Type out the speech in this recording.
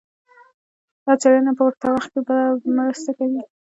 دا څېړنه په ورته وخت کې بله مرسته کوي.